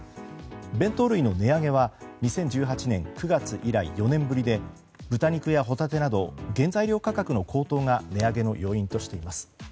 弁当類の値上げは２０１８年９月以来４年ぶりで豚肉やホタテなど原材料価格の高騰が値上げの要因としています。